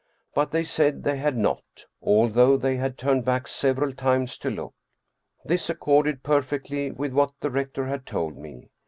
But they said they had not, although they had turned back several times to look. This accorded perfectly with what the rector had told me.